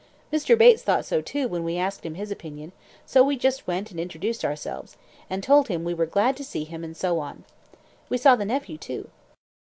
Mr. Bates thought so too when we asked his opinion, so we just went and introduced ourselves, and told him we were glad to see him, and so on. We saw the nephew too."